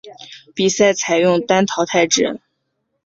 比赛采用单淘汰制。